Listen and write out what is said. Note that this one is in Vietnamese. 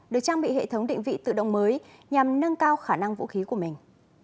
được trang bị hệ thống định vị tự động mới nhằm nâng cao khả năng vũ khí của mình